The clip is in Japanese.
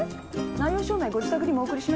内容証明ご自宅にもお送りしましたよ。